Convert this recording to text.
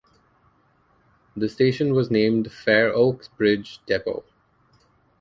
The station was named Fair Oaks Bridge Depot.